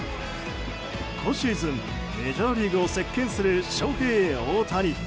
今シーズン、メジャーリーグを席巻するショウヘイ・オオタニ。